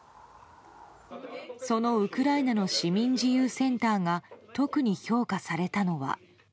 そのウクライナの市民自由センターが特に評価されたのは。